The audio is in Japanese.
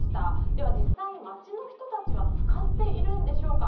では実際に街の人は使っているんでしょうか？